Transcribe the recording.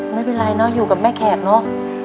ไม่เป็นไรเนอะอยู่กับแม่แขกเนอะ